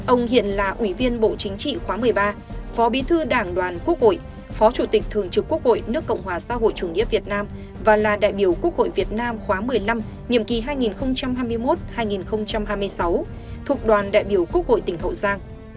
ông hiện là ủy viên bộ chính trị khóa một mươi ba phó bí thư đảng đoàn quốc hội phó chủ tịch thường trực quốc hội nước cộng hòa xã hội chủ nghĩa việt nam và là đại biểu quốc hội việt nam khóa một mươi năm nhiệm kỳ hai nghìn hai mươi một hai nghìn hai mươi sáu thuộc đoàn đại biểu quốc hội tỉnh hậu giang